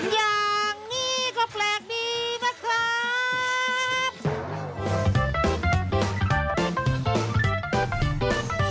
อย่างนี้ก็แปลกดีนะครับ